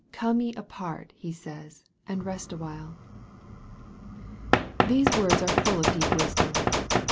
" Come ye apart," He says, " and rest a while." These words fire full of deep wisdom.